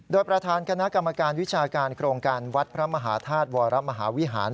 โดยประธานคณะกรรมการวิชาการโครงการวัดพระมหาธาตุวรมหาวิหาร